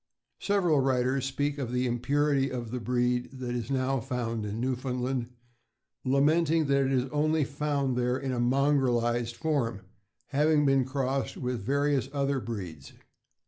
Several writers speak of the impurity of the breed that is now found in Newfoundland, lamenting that it is only found there in a mongrelized form, having been crossed with various other breeds.